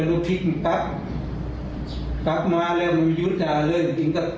ดาเมยุ่น